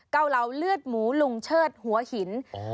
เกาเหลาเลือดหมูลุงเชิดหัวหิน